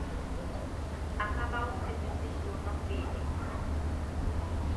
Ackerbau findet sich nur noch wenig.